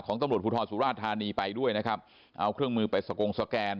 ตำรวจภูทรสุราชธานีไปด้วยนะครับเอาเครื่องมือไปสกงสแกน